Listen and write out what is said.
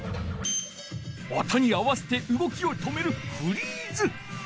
音に合わせてうごきを止める「フリーズ」。